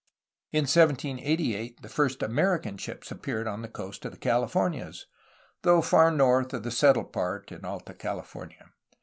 In 1788 the first American ships appeared on the coast of of the Californias, though far north of the settled part in Alta California.